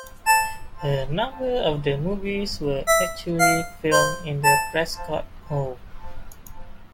A number of the movies were actually filmed in the Prescott home.